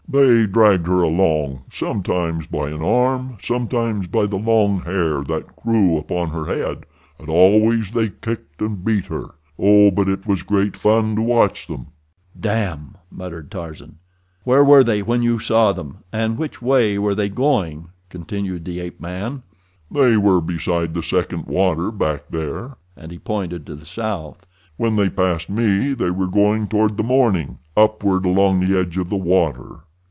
"They dragged her along—sometimes by an arm—sometimes by the long hair that grew upon her head; and always they kicked and beat her. Oh, but it was great fun to watch them." "God!" muttered Tarzan. "Where were they when you saw them, and which way were they going?" continued the ape man. "They were beside the second water back there," and he pointed to the south. "When they passed me they were going toward the morning, upward along the edge of the water."